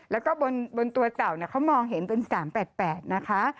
แล้วก็บนบนตัวเต่าเนี้ยเขามองเห็นเป็นสามแปดแปดนะคะ